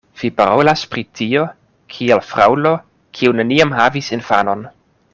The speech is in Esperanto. Vi parolas pri tio, kiel fraŭlo kiu neniam havis infanon.